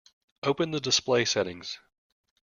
Open the display settings.